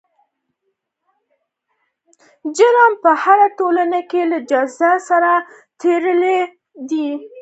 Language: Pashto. جرم په هره ټولنه کې له جزا سره تړلی دی.